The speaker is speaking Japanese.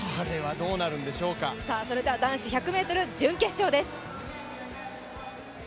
それでは男子１００ｍ準決勝です。